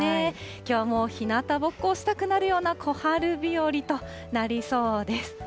きょうもひなたぼっこをしたくなるような、小春日和となりそうです。